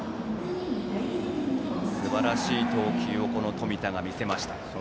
すばらしい投球を冨田が見せました。